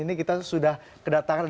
ini kita sudah kedatangan